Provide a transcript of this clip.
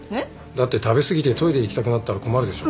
だって食べ過ぎてトイレ行きたくなったら困るでしょ。